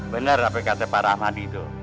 benar apa kata pak rahmadi itu